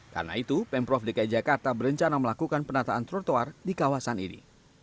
karena itu pemprovdk jakarta berencana melakukan penataan trotoar di kawasan ini